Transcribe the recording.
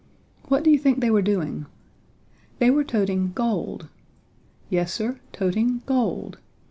What do you think they were doing? They were toting gold! Yes, Sir, toting gold!